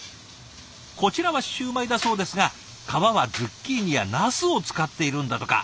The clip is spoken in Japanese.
こちらはシューマイだそうですが皮はズッキーニやナスを使っているんだとか。